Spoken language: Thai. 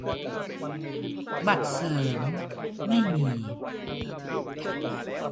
- บัตรเสริม : ไม่มี